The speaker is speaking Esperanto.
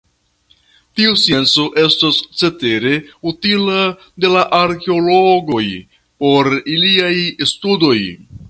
Tiu scienco estas cetere uzita de la arkeologoj por iliaj studoj.